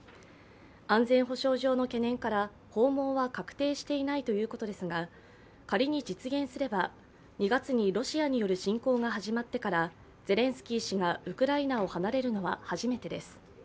安全保障上の懸念から訪問は確定していないということですが仮に実現すれば２月にロシアによる侵攻が始まってからゼレンスキー氏がウクライナを離れるのは初めてです。